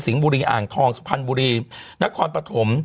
บุรีอ่างทองสุพรรณบุรีนครปฐม